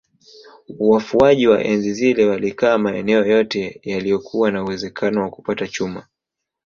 Wafuaji wa enzi zile walikaa maeneo yote yaliyokuwa na uwezekano wa kupata chuma